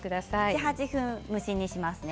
７、８分間蒸し煮にしますね。